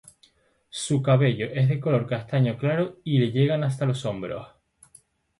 Su cabello es de color castaño claro y le llega hasta los hombros.